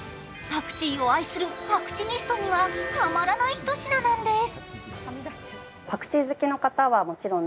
パクチーを愛するパクチニストには、たまらないひと品なんです。